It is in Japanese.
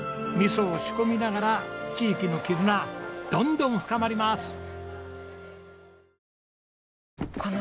味噌を仕込みながら地域の絆どんどん深まります。